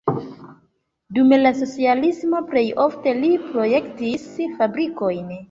Dum la socialismo plej ofte li projektis fabrikojn.